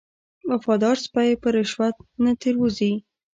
وفادار سپی په رشوت نه تیر وځي.